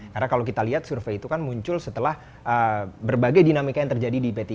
karena kalau kita lihat survei itu kan muncul setelah berbagai dinamika yang terjadi di p tiga